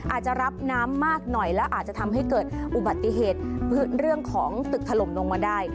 อาจจะรับน้ำมากหน่อยแล้วอาจจะทำให้เกิดอุบัติเหตุเรื่องของตึกถล่มลงมาได้